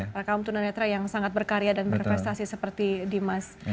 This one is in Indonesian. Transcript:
para kaum tunanetra yang sangat berkarya dan berprestasi seperti dimas